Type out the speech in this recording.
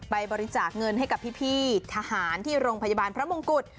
บริจาคเงินให้กับพี่ทหารที่โรงพยาบาลพระมงกุฎ